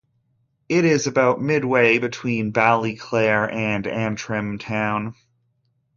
It is about midway between Ballyclare and Antrim town.